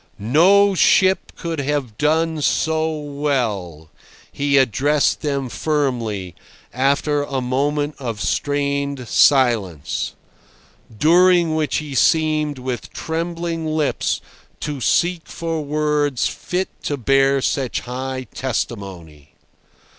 "No ship could have done so well," he addressed them firmly, after a moment of strained silence, during which he seemed with trembling lips to seek for words fit to bear such high testimony.